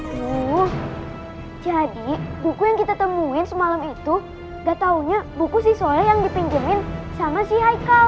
aduh jadi buku yang kita temuin semalam itu gak taunya buku sih soalnya yang dipinjemin sama si haikal